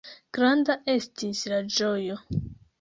Granda estis la ĝojo!